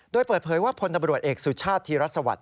โดยเปิดเผยว่าพลตำรวจเอกสุชาติธีรสวัสดิ